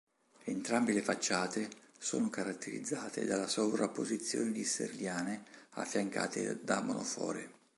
Entrambe le facciate sono caratterizzate dalla sovrapposizione di serliane, affiancate da monofore.